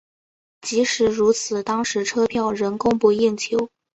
即使如此当时车票仍供不应求。